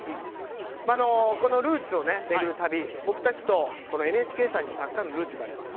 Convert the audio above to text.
このルーツを巡る旅僕たちとＮＨＫさんにもたくさんのルーツがあります。